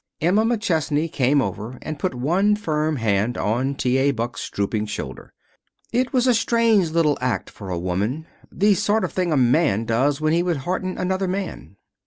Emma McChesney came over and put one firm hand on T. A. Buck's drooping shoulder. It was a strange little act for a woman the sort of thing a man does when he would hearten another man.